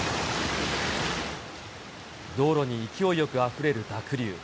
道路に勢いよくあふれる濁流。